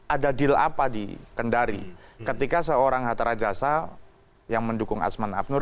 ada deal apa di kendari ketika seorang hatta rajasa yang mendukung asman abnur